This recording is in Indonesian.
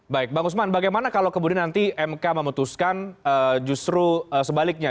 baik bang usman bagaimana kalau kemudian nanti mk memutuskan justru sebaliknya